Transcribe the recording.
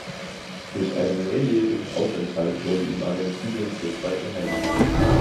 Durch einen mehrjährigen Aufenthalt wurde ihm Argentinien zur zweiten Heimat.